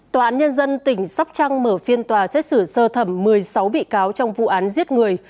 tòa án nhân dân tỉnh sóc trăng mở phiên tòa xét xử sơ thẩm một mươi sáu bị cáo trong vụ án giết người